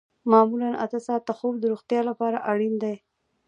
معمولاً اته ساعته خوب د روغتیا لپاره اړین دی